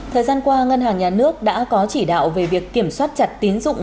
thời gian qua ngân hàng nhà nước đã có chỉ đạo về việc kiểm soát chặt tiến dụng